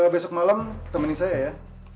oh iya besok malam temenin saya ya